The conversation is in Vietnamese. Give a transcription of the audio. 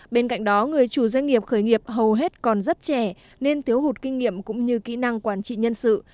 bên cạnh đó người chủ doanh nghiệp khởi nghiệp hầu hết còn rất trẻ nên thiếu hụt kinh nghiệm cũng như kỹ năng quản trị nhân sự